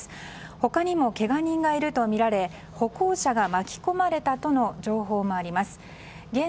他にもけが人がいるとみられ歩行者が巻き込まれたとの情報もあります。